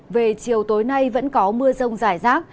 về chiều tối nay vẫn có mưa rông rải rác